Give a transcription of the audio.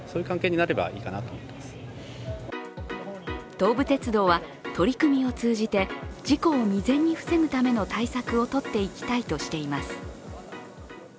東武鉄道は、取り組みを通じて事故を未然に防ぐための対策をとっていきたいとしています。